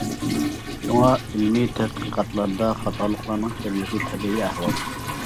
شۇڭا، ئىلمىي تەتقىقاتلاردا خاتالىقلارنىڭ كۆرۈلۈشى تەبىئىي ئەھۋال.